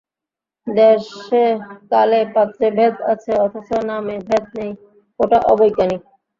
দেশে কালে পাত্রে ভেদ আছে অথচ নামে ভেদ নেই ওটা অবৈজ্ঞানিক।